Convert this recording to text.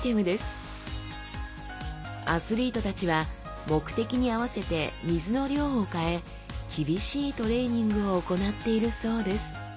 アスリートたちは目的に合わせて水の量を変え厳しいトレーニングを行っているそうです